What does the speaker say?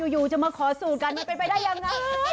อยู่อยู่จะมาขอสูตรการมั้ยมันเป็นไปได้ยังไง